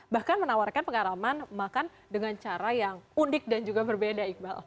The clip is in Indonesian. bahkan menawarkan pengalaman makan dengan cara yang unik dan juga berbeda iqbal